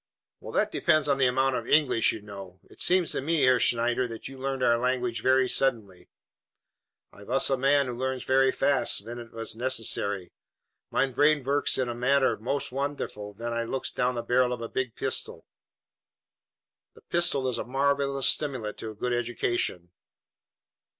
"Well, that depends on the amount of English you know. It seems to me, Herr Schneider, that you learned our language very suddenly." "I vas a man who learns very fast when it vas necessary. Mein brain vorks in a manner most vonderful ven I looks down the barrel of a big pistol." "This pistol is a marvelous stimulant to a good education."